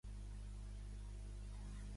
És endèmica de Trinitat i Tobago.